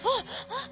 あっ！